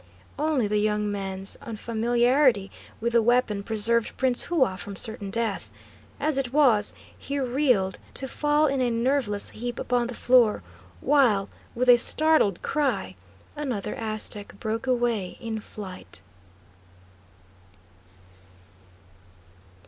Only the young man's unfamiliarity with the weapon preserved Prince Hua from certain death. As it was, he reeled, to fall in a nerveless heap upon the floor, while, with a startled cry, another Aztec broke away in flight.